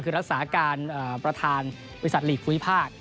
ก็คือรักษาการประธานวิสัทย์ภาค